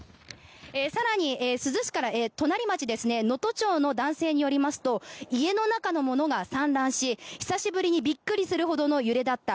更に珠洲市から隣町、能登町の男性によりますと家の中のものが散乱し久しぶりにびっくりするほどの揺れだった。